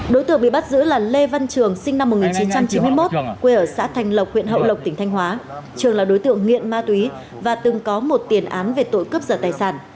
đối tượng bị bắt giữ là lê văn trường sinh năm một nghìn chín trăm chín mươi một quê ở xã thành lộc huyện hậu lộc tỉnh thanh hóa trường là đối tượng nghiện ma túy và từng có một tiền án về tội cướp giật tài sản